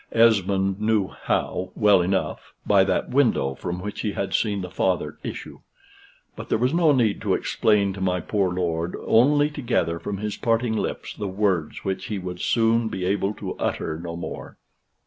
Esmond knew how, well enough: by that window from which he had seen the Father issue: but there was no need to explain to my poor lord, only to gather from his parting lips the words which he would soon be able to utter no more.